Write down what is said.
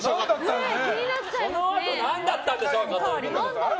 そのあと何だったんでしょうか。